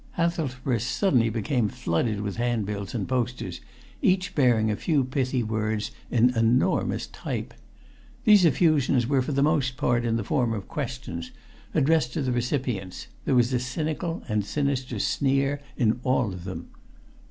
Hathelsborough suddenly became flooded with handbills and posters, each bearing a few pithy words in enormous type. These effusions were for the most part in the form of questions, addressed to the recipients; there was a cynical and sinister sneer in all of them.